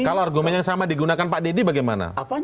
kalau argumen yang sama digunakan pak deddy bagaimana